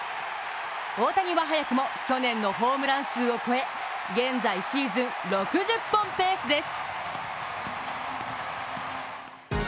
大谷は早くも去年のホームラン数を超え、現在シーズン６０本ペースです。